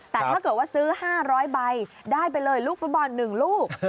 แต่ถ้าเกิดว่าซื้อ๕๐๐ใบได้ไปเลยลูกฟุตบอล๑ลูก